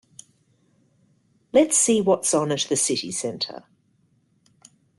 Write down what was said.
Let's see what's on at the city centre